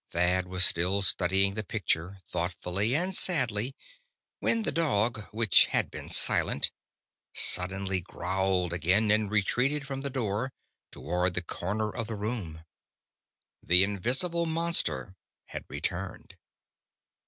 Thad was still studying the picture, thoughtfully and sadly, when the dog, which had been silent, suddenly growled again, and retreated from the door, toward the corner of the room. The invisible monster had returned.